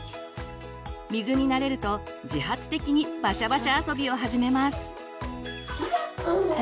水に慣れると自発的にバシャバシャ遊びを始めます。